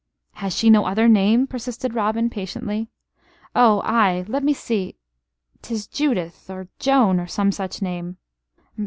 "Has she no other name?" persisted Robin, patiently. "Oh, ay ... let me see. 'Tis Judith, or Joan, or some such name.